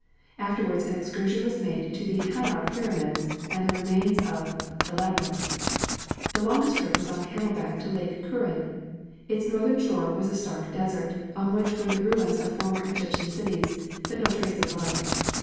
Afterwards an excursion was made to the Hanar pyramids and the remains of the Labyrinth. The longest trip was on camel back to Lake Karûn. Its northern shore was a stark desert, on which there were ruins of former Egyptian cities, but no trace of life.